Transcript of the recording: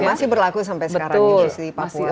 masih berlaku sampai sekarang industri papua